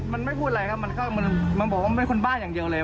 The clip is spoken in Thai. มันไม่พูดอะไรครับมันก็มันบอกว่ามันเป็นคนบ้าอย่างเดียวเลย